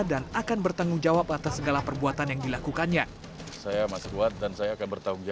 dan akan bertanggung jawab atas segala perbuatan yang dilakukannya